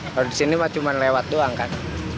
kalau di sini cuma lewat doang kan